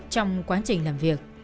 trong quá trình làm việc